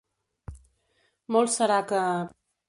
Molt serà que...